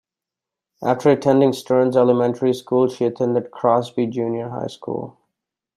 After attending Stearns Elementary School, she attended Crosby Junior High School.